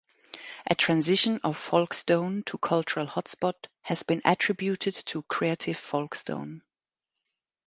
A transition of Folkestone to cultural hotspot has been attributed to Creative Folkestone.